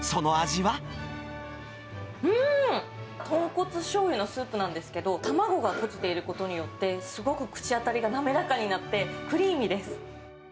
うーん、豚骨しょうゆのスープなんですけど、卵でとじていることによって、すごく口当たりが滑らかになって、クリーミーです。